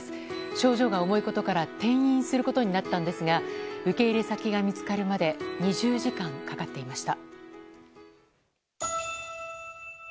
症状が重いことから転院することになったんですが受け入れ先が見つかるまで２０時間かかっていました。